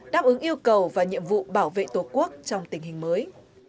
đáp ứng yêu cầu và nhiệm vụ bảo vệ tổ quốc trong tình hình mới